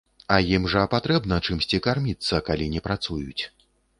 А ім жа патрэбна чымсьці карміцца, калі не працуюць.